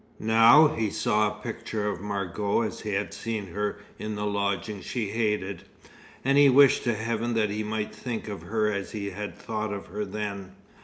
Now, he saw a picture of Margot as he had seen her in the lodgings she hated; and he wished to heaven that he might think of her as he had thought of her then.